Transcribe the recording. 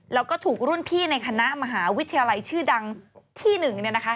แล้วก็ถูกรุ่นพี่ในคณะมหาวิทยาลัยชื่อดังที่หนึ่งเนี่ยนะคะ